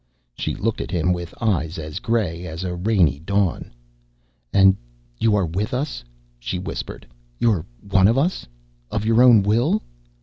She looked at him with eyes as gray as a rainy dawn. "And you are with us?" she whispered. "You're one of us? Of your own will?"